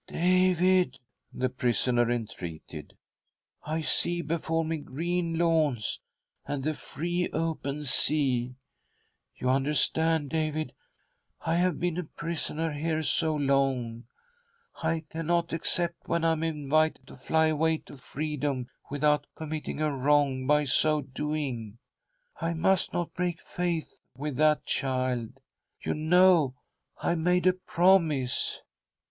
" David," the prisoner entreated, " I see before ■ me green lawns and the free, open sea. You understand, David— I have been a prisoner here so long ! I cannot accept, when I am invited to fly away to freedom, without committing a wrong by so .doing. I must not break faith with that child. You know, I made a promise."